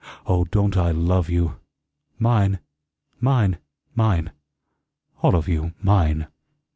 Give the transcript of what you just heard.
Oh, don't I LOVE you! Mine, mine, mine all of you mine."